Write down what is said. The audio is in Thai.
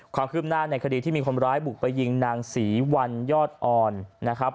ความคืบหน้าในคดีที่มีคนร้ายบุกไปยิงนางศรีวันยอดอ่อนนะครับ